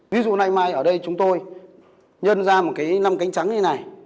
ví dụ ngày mai ở đây chúng tôi nhân ra một cái năm cánh trắng như thế này